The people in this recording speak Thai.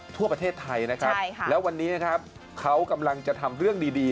ทั่วประเทศไทยนะครับแล้ววันนี้นะครับเขากำลังจะทำเรื่องดีดี